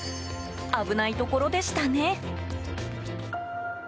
危ないところでしたね。